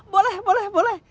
boleh boleh boleh